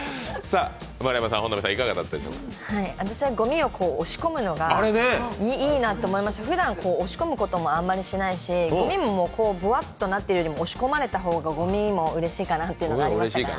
私はごみを押し込むのがいいなって思いましたふだん押し込むこともあまりしないしごみもぼわっとなってるよりは押し込まれた方がごみもうれしいかなっていうのがありましたから。